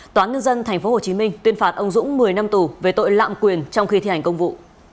tòa án nhân dân tp hcm tuyên phạt ông dũng một mươi năm tù về tội lạm quyền trong khi thi hành công vụ